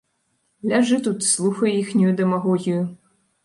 Ляжы тут, слухай іхнюю дэмагогію.